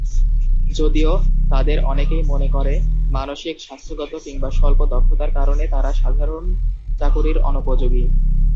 যদিও, তাদের অনেকেই মনে করে মানসিক, স্বাস্থ্যগত কিংবা স্বল্প-দক্ষতার কারণে তারা সাধারণ চাকুরির অনুপযোগী।